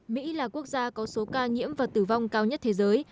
mỹ là quốc gia có số ca nhiễm và tử vong cao nhất thế giới